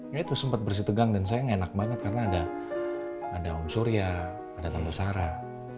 ya itu sempat bersih tegang dan saya enak banget karena ada om surya ada tanda sarah